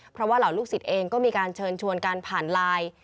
เพราะว่าเหล่าลูกศิษย์เองก็มีการเชิญชวนการผ่านไลน์